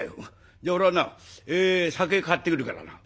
「じゃあ俺はな酒買ってくるからな。